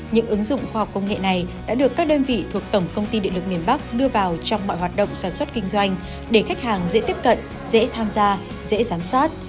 những ứng dụng khoa học công nghệ này đã được các đơn vị thuộc tổng công ty địa lực miền bắc đưa vào trong mọi hoạt động sản xuất kinh doanh để khách hàng dễ tiếp cận dễ tham gia dễ giám sát